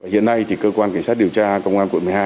hiện nay thì cơ quan kiểm soát điều tra công an quận một mươi hai